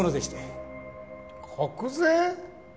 国税！？